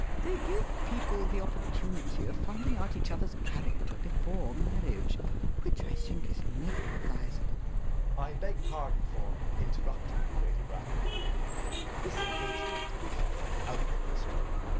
They give people the opportunity of finding out each other's character before marriage, which I think is never advisable. JACK. I beg your pardon for interrupting you, Lady Bracknell, but this engagement is quite out of the question.